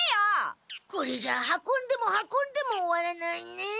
これじゃあ運んでも運んでも終わらないね。